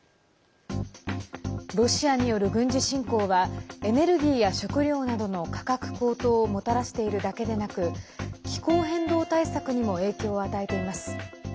ロシアによる軍事侵攻はエネルギーや食料などの価格高騰をもたらしているだけでなく気候変動対策にも影響を与えています。